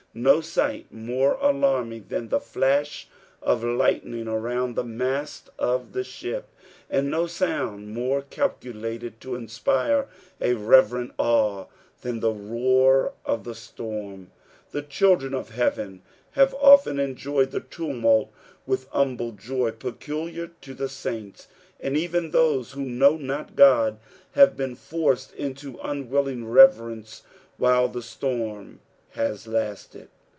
No sight more alarming than the flash of lightning around the mast of the ship ; and no sound more calculated to inspire a reverent awe than the roar of the stann. The children of heaven have often enjoyed the tumult with humble joy pccQliar to the saints, and even those who know not Uod have been forced into unwilling reverence while the storm has lasted.